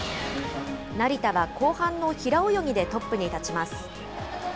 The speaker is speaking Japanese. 成田は後半の平泳ぎでトップに立ちます。